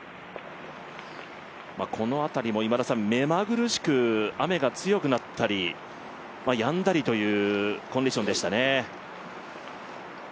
この辺りも目まぐるしく雨が強くなったりやんだりというコンディションでしたね。